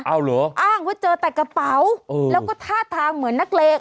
เอาเหรออ้างว่าเจอแต่กระเป๋าแล้วก็ท่าทางเหมือนนักเลก